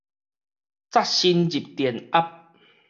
紮身入電盒